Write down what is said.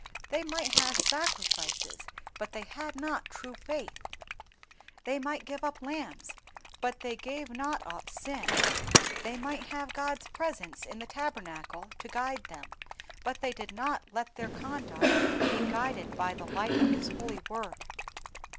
They might have sacrifices but they had not true faith; they might give up lambs, but they gave not up sin; they might have God's presence in the tabernacle to guide them, but they did not let their conduct be guided by the light of His holy Word."